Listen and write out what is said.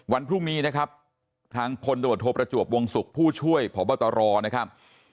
วันพรุ่งนี้นะครับทางพลตรวจโทประจวบวงศุกร์ผู้ช่วยพบตรนะครับ